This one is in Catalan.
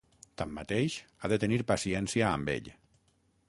Tanmateix, ha de tenir paciència amb ell.